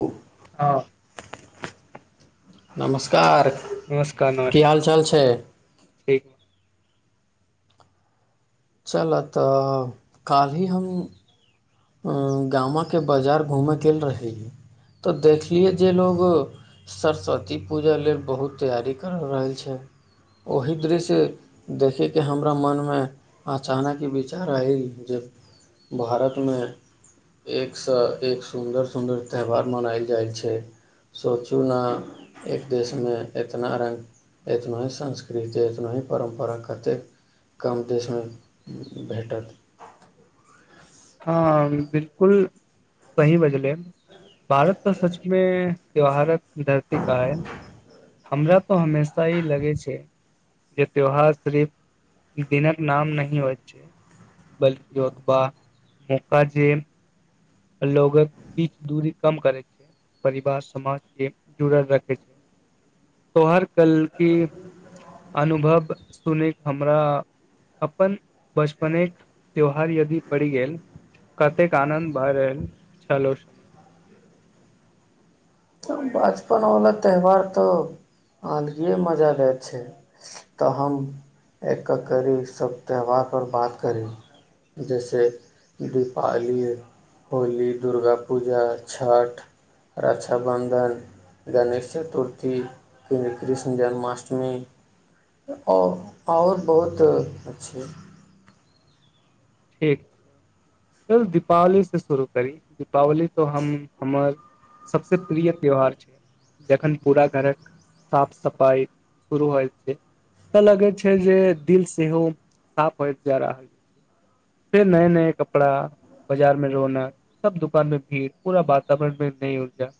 ह [unintelligible] हँ नमस्कार नमस्कार नमस्कार की हाल चाल छै ठीक चलह तऽ काल्हि हम गामके बाजार घूमयके लेल रहहि तऽ देखलियै जे लोग सरस्वती पूजा लेल बहुत तैयारी कर रहल छै ओहि दृश्य देखैके हमरा मनमे अचानक ई विचार अय जे भारतमे एकसँ एक सुन्दर सुन्दर त्यौहार मनायल जाइ छै सोचू ने एक देशमे एतना रङ्ग एतना ही संस्कृति एतना ही परम्परा कतेक कम देशमे भेटत हँ बिलकुल सही बजले भारत तऽ सचमे त्यौहारक धरती क ह [unintelligible] हमरा तो हमेशा ई लगे छै जे त्यौहार सिर्फ दिनक नाम नही होइत छै बल्कि अख- मौका जे लोगक बीच दूरी कम करै छै परिवार समाज के जुड़ल रखै छै त्यौहार कल की अनुभव सुने के हमरा अपन बचपने के त्यौहार यदि पड़ि गेल कतेक आनंद बारिह आएल चालो - बचपन वाला त्यौहार तऽ आलगीए मजा लैत छै तऽ हम एक करी सब त्यौहार पर बात करी जैसे दीपावली होली दुर्गा पूजा छठ रक्षाबंधन न गणेश चतुर्थी कृष्ण जन्माष्टमी आओ आओर बहुत अछि ठीक चलू दीपावलीसँ शुरू करी दीपावली तऽ हम हमर सभसँ प्रिय त्यौहार छै जखन पूरा घरक साफ सफाइ शुरू होइत छै तऽ लगै छै जे दिल सेहो साफ होइत जा रहल छै फेर नये नये कपड़ा बाजार मे रोनक सब दुकान मे भीड़ पूरा वातावरण मे नई ऊर्जा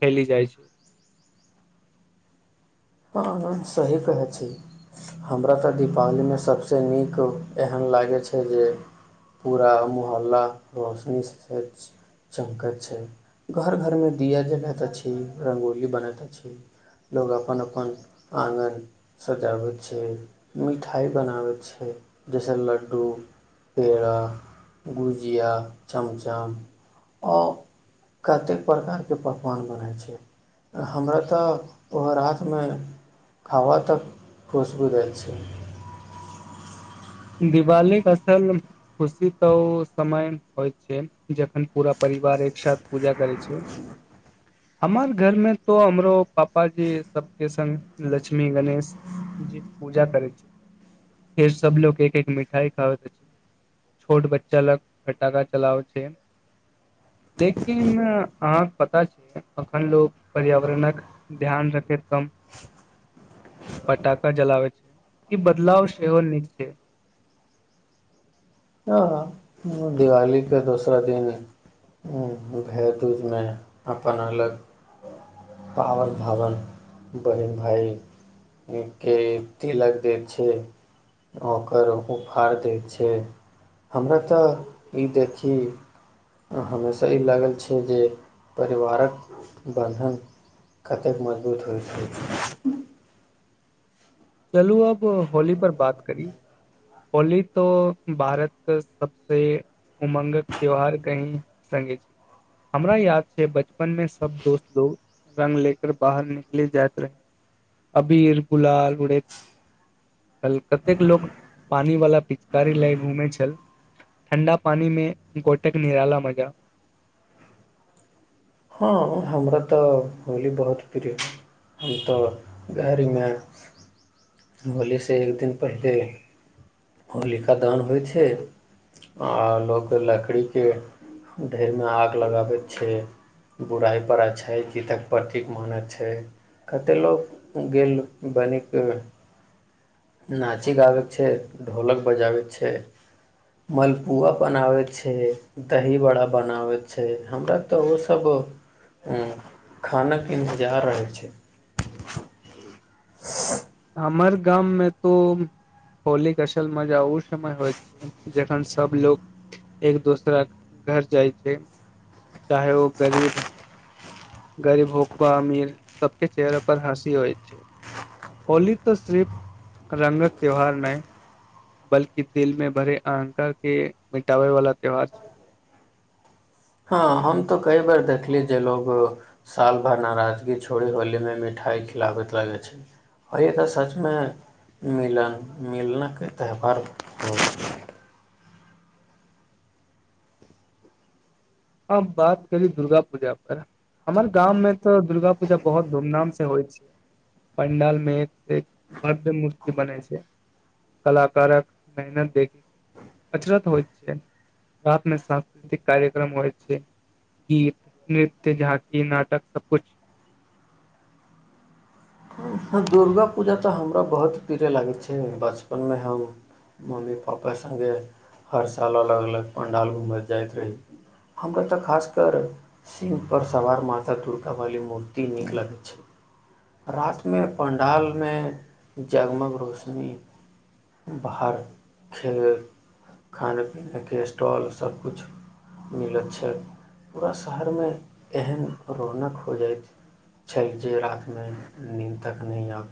फैली जाइ छै हँ हँ सही कहैत छी हमरा तऽ दीपावलीमे सभसँ नीक एहन लागैत छै जे पूरा मोहल्ला रोशनी छै चमकैत छै घर घरमे दिया जलैते अछि रङ्गोली बनैत अछि लोग अपन अपन अपन आँगन सजाबैत छै मिठाइ बनाबैत छै जैसे लड्डू पेड़ा गुजिया चमचम आओ कतेक प्रकारके पकवान बनै छै हमरा तऽ ओ राति मे हवा त खुश बुझाए छै दिवाली के असल खुशी तऽ समय होइत छै जखन पूरा परिवार एक साथ पूजा करै छै हमर घर मे तो हमरो पापा जी सबके संग लक्ष्मी गणेश जी पूजा करै छै फेर सब लोक एक एक मिठाई खाबैत अछि छोट बच्चा लग पटाखा चलाबै छै लेकिन अहाँके पता छै अखन लोग पर्यावरणक ध्यान रखै फटाखा जलाबै छै ई बदलाव सेहो नीक छै हँ दिवालीके दोसरा दिन भैया दूज मे अपन अलग पाबनि भाबनि बहिन भायके तिलक दैत छै ओकर उपहार दैत छै हमरा तऽ ई देखी हमेशा ई लागल छै जे परिवारक बन्धन कतेक मजबूत होइत रहकै - चलू अब होली पर बात करी होली तो भारत के सबस उम्ंगक त्यौहार कहीं संगे छै हमरा याद छै बचपन मे सब दोस्त लोक रंग ले कर बाहर निकले जाइत रहे अबीर गुलाल उेरैत कल कतेक लोक पानी वाला पिचकारी लय घूमे छल ठण्डा पानी मे गोटक निराला मजा हँ हमरा तऽ होली बहुत प्रिय हम तऽ घरमे होलीसँ एक दिन पहिले होलिका दहन होइ छै आ लोक लकड़ीके ढेरमे आग लगाबै छै बुराई पर अच्छाई जीतक प्रतीक मानै छै कतेक लोक गेल बनिक नाची गाबै छै ढोलक बजाबैत छै मलपुआ बनाबैत छै दही बड़ा बनाबैत छै हमरा तऽ ओसभ खानक इन्तजार रहै छै [inaudible] हमर गाम मे तो होलीके असल मजा ओ समय होइ छै जखन सभ लोग एक दोसरा घर जाइ छै चाहे ओ गरीब गरीब हो आ अमीर सबके चेहरे पर हँसी होइ छै होली तऽ सिर्फ रंगक त्यौहार नहि बल्कि दिल मे भरे अहंकार के मिटाबै वाला त्यौहार छै हँ हम तऽ कई बेर देखली जे लोकोग साल भरि नाराजगी छोड़ी होलीमे मिठाइ खिलाबैत लागै छै आ ई तऽ सचमे मिलन मिलनके त्यौहार होइ- अ बात करी दुर्गा पूजा पर हमर गाँं में तऽ दुर्गा पूजा बहुत धूम धाम से होइ छै पंडाल मे एक से एक भव्य मूर्ति बनै छै कलाकारक मेहनत देखक अचरत होइ छै रात में सांस्कृतिक कार्यक्रम होय छै गीत नृत्य झाँकी नाटक सब कुछ दुर्गा पूजा तऽ हमरा बहुत प्रिय लागै छै बचपनमे हम मम्मी पापा सङ्गे हर साल अलग अलग पण्डाल घुमै जाइत रही हमरा तऽ खासकर सिंह पर सवार माता दुर्गावाली मूर्ति नीक लगैत छै रात मे पंडालमे जगमग रोशनी बाहर खेल खाना पीनाके स्टॉल सबकिछु मिलैत छै पूरा शहरमे एहन रौनकनक हो जाइत छल जे रातिमे नीन्द तखनी अब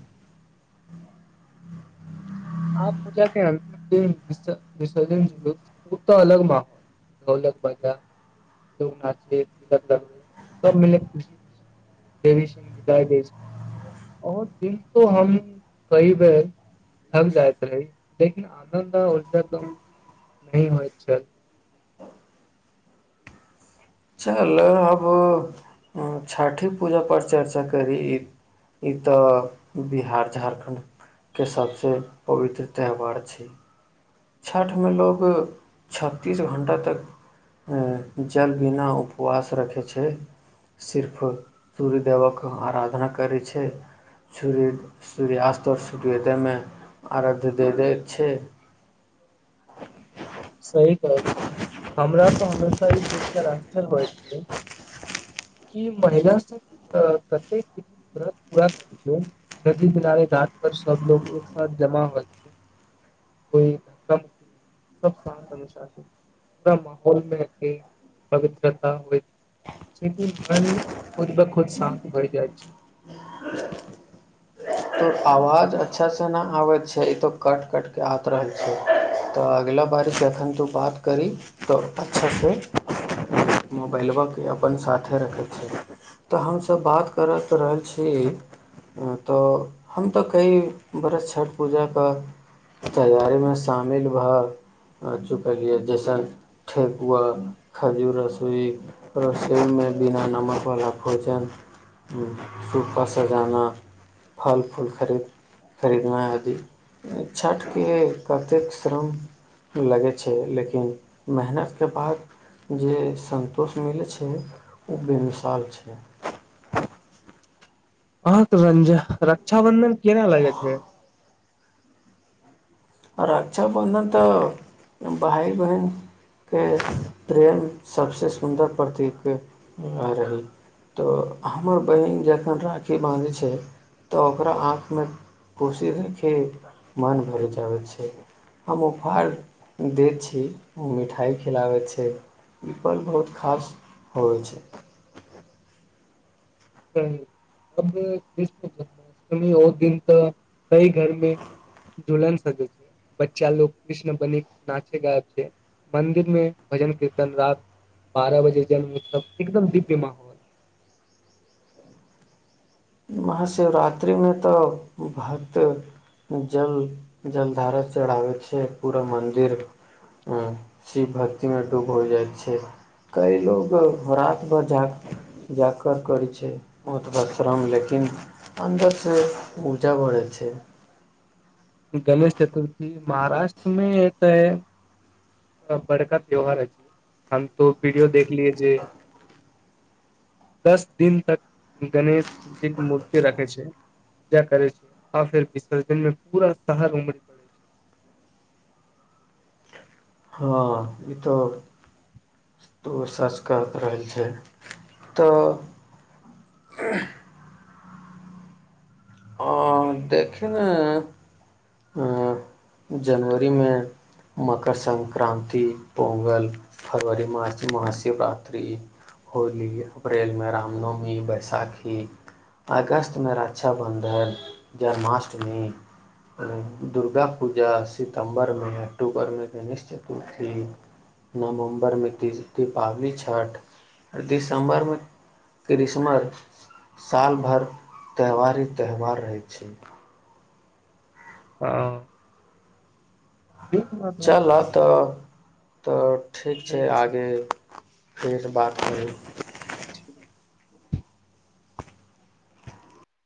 आ पुजा कें अंतिम दिन विस विसर्जन त अलग माहौल ढोलक बाजा नाचे तिलक लगबै सब मिले खुशी खुशी देवी विदा दे छै आओर दिन त हम कई बेर थक जाइत रही लेकिन आनन्द आ ऊर्जा कम नही होइत छै छल चल आब छठि पूजाापर चर्चा करी ई तऽ बिहार झारखण्डके सभसँ पवित्र त्यौहार छै छठिमे लोक छत्तीस घण्टा तक जल बिना उपवास रखै छै सिर्फ सूर्य देेवक आराधना करै छै सूर्य सूर्यास्त आओर सूर्योदयमे अराध्य दे दैय छै [inaudible] सही कहलहुँ हमरा तऽ हमेशा ई देख आशर्य होइ छै कि महिला सब आ कतेक व्रत पूरा करै छै नदी किनारे घाट पर सब लोग एक साथ जमा हो छै कोई धक्का मुक्की नहि सब शान्त अनुशासित पूरा माहौल मे ही पवित्रता होय छैकि मन खुद ब खुद शान्त भ जाइ छै तोर आवाज अच्छासँ नहि आबैत छै ई तऽ कट कटके आत रहल छै तऽ अगिला बारी जखन तू बात करी तऽ अच्छासँ मोबाईलबा अपन साथे रखै छै तऽ हमसब बात करैत रहल छी हँ तऽ हम तऽ कई वर्ष छठ पूजाके तैयारीमे शामिल भऽ चुकलियै जैसन ठेकुआ खजूर रसोइ रसोईमे बिना नमकवला भोजन सूप सजाना फल फूल खरीद खरीदनाय आदि छठिकके कतेक श्रम लगै छै लेकिन मेहनतके बाद जे सन्तोष मिलै छै ओ बेमिशाल छै हँ तऽ रंजा रक्षाबंधन केना लगै छै आ रक्षाबन्धन तऽ भाय बहिनके प्रेम सभसँ सुन्दर प्रतीक रहै तऽ हमर बहिन जखन राखी बान्धै छै तऽ ओकरा आँखमे खुशी देखि मन भरि जाबैत छै हम उफार दै छी ओ मिठाइ खिलाबै छै ई पल बहुत खास होइ छै सही अब कृष्ण जन्माष्टमी ओ दिन तऽ कई घरमे जुलन सकै छै बच्चा लोग कृष्ण बनी नाचे गाब छै मन्दिर मे भजन कीर्तन राति बारह बजे जन्म उत्सव एकदम दिव्य माहौल महाशिवरात्रिमे तऽ भक्त जल जल धारा चढ़ाबैत छै पूरा मन्दिर शिव भक्तिमे डूब हो जाइत छै कई लोको राति भर जा जााकर करैत छै [unintelligible] ओतबश्रम ल अन्दर से ऊर्जा बढ़ै छै गणेश चतुर्थी महाराष्ट्र मे ए तऽ बड़का त्योहार अछि हम तो वीडियो देखलियै जे दस दिन तक गणेश जी के मूर्ति रखे छै पूजा करै छै आर फेर विसर्जन मे पूरा शहर उमैर परै छै हँ ई तऽ सच करैत रहल छै तऽ आ देखी ने जनवरीमे मकर संक्रान्ति पोंगल फरवरी मार्च महाशिवरात्रि होली अप्रैलमे रामनवमी बैसाखी अगस्तमे रक्षाबन्धन जन्माष्टमी दुर्गा पूजा सितम्बरमे अक्टूबरमे गणेश चतुर्थी नवम्बरमे तीज दीपावली छठ आ दिसम्बरमे क्रिसमस साल भरि त्यौहार ही त्यौहार रहैत छै हँ ठीक बात चलऽ तऽ तऽ ठीक छै आगे फेर बात आओ [unintelligible] च [inaudible]